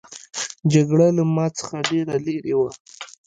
جګړه له ما څخه ډېره لیري وه.